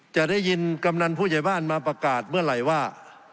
จะได้ยินกำนันผู้ใหญ่บ้านมาประกาศเมื่อไหร่ว่า